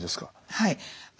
はい。